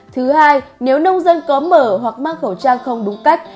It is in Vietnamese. thứ hai nếu nông dân có mở hoặc mang khẩu trang không đúng cách